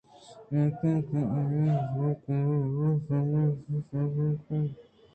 ایوک تو آئی ءَبر ئےکارئے بزاں من سرجم ءَ تئی سرا لونجان اوںءُ من تراانوں چہ کجا دربہ گیجاں